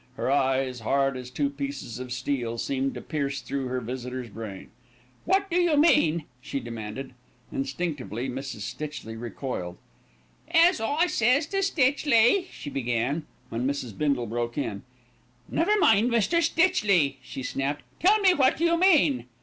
Her eyes, hard as two pieces of steel, seemed to pierce through her visitor's brain. "What do you mean?" she demanded. Instinctively Mrs. Stitchley recoiled. "As I says to Stitchley " she began, when Mrs. Bindle broke in. "Never mind Mr. Stitchley," she snapped. "Tell me what you mean."